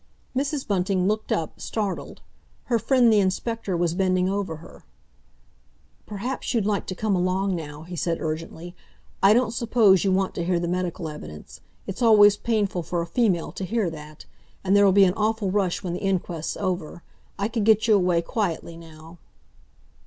Mrs. Bunting looked up, startled. Her friend, the inspector, was bending over her. "Perhaps you'd like to come along now," he said urgently.—"I don't suppose you want to hear the medical evidence. It's always painful for a female to hear that. And there'll be an awful rush when the inquest's over. I could get you away quietly now."